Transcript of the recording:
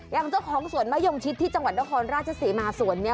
อย่างเจ้าของสวนมะยงชิดที่จังหวัดนครราชศรีมาสวนนี้